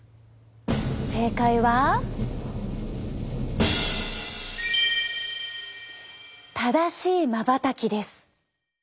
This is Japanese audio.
正解は正しいまばたきです！